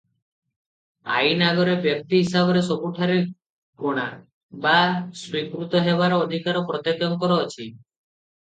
ଆଇନ ଆଗରେ ବ୍ୟକ୍ତି ହିସାବରେ ସବୁଠାରେ ଗଣା ବା ସ୍ୱୀକୃତ ହେବାର ଅଧିକାର ପ୍ରତ୍ୟେକଙ୍କର ଅଛି ।